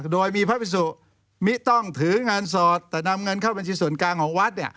โดยมีพระพิสุมิต้องถืองานสอดแต่นำเงินเข้าบัญชีส่วนกลางของวัด